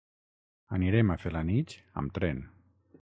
Anirem a Felanitx amb tren.